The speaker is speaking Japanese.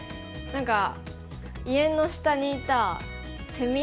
何か家の下にいたセミ。